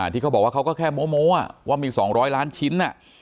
ที่เขาบอกว่าเขาก็แค่โม้ว่ามี๒๐๐ล้านชิ้น